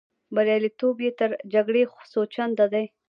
بریالیتوب یې تر جګړې څو چنده دی.